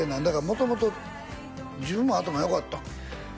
元々自分も頭よかったん？